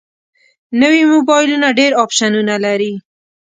نوی موبایل ډېر اپشنونه لري